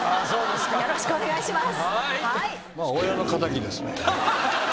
よろしくお願いします。